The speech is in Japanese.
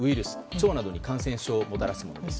腸などに感染症をもたらすものです。